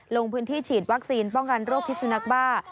ลงพื้นที่ฉีดวัคซีนป้องกันโรคพิสุนักบ้า